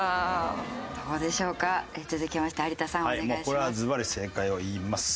これはズバリ正解を言います。